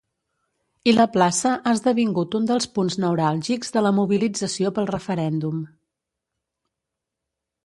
I la plaça ha esdevingut un dels punts neuràlgics de la mobilització pel referèndum.